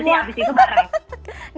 nanti habis itu bareng